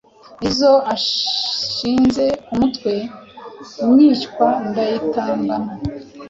Nizo anshyize ku mutwe myishywa ndayitambana,